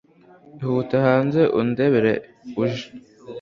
Ihute hanze undebere uje